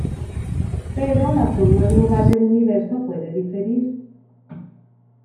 Pero la forma global del universo puede diferir.